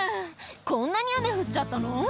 こんなに雨降っちゃったの？」